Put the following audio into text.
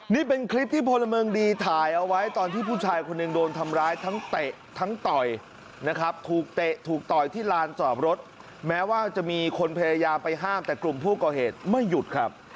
นี่เป็นคลิปที่พลเมืองดีถ่ายเอาไว้ตอนที่ผู้ชายคนหนึ่งโดนทำร้ายทั้งเตะทั้งต่อยนะครับถูกเตะถูกต่อยที่ลานจอดรถแม้ว่าจะมีคนพยายามไปห้ามแต่กลุ่มผู้ก่อเหตุไม่หยุดครับ